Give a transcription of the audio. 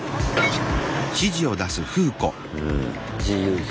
自由人。